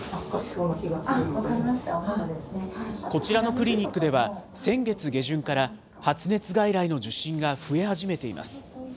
こちらのクリニックでは、先月下旬から発熱外来の受診が増え始めています。